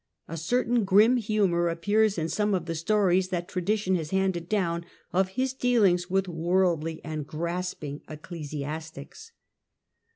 A certain grim humour appears in some of the stories that tradition has handed down of his dealings with worldly and grasping ecclesiastics.